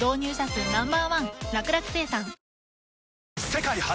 世界初！